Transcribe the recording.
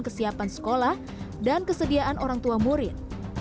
kesiapan sekolah dan kesediaan orang tua murid